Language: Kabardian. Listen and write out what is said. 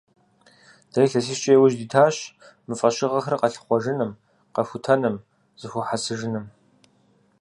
Дэ илъэсищкӀэ яужь дитащ мы фӀэщыгъэхэр къэлъыхъуэжыным, къэхутэным, зэхуэхьэсыжыным.